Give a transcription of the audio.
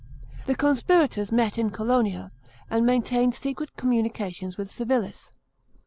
The conspirators met in Colonia, and maintained secret communications with Civilis.